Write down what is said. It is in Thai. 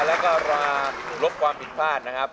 แล้วก็ราบลบความผิดพลาดนะครับ